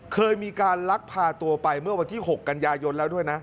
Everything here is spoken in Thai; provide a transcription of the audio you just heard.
เคยมีการลักพาตัวไปเมื่อวันที่๖กันยายนแล้วด้วยนะ